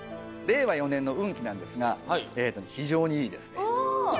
令和４年の運気なんですが非常にいいですね。